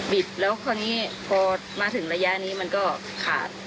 แล้วคราวนี้พอมาถึงระยะนี้มันก็ขาด